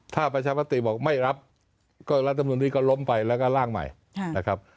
ถ้าประชามติบอกไม่รับก็รัฐมนุนนี้ก็ล้มไปแล้วก็ล่างใหม่นะครับ